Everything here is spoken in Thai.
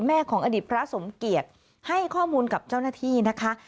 ของอดีตพระสมเกียจให้ข้อมูลกับเจ้าหน้าที่นะคะ